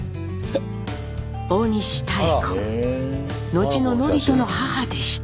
後の智人の母でした。